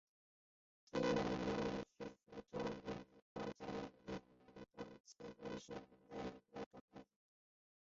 尖吻棘鳞鱼是辐鳍鱼纲金眼鲷目金鳞鱼科棘鳞鱼属的其中一种鱼类。